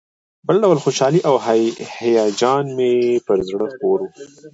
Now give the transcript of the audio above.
بل ډول خوشالي او هیجان مې پر زړه خپور و.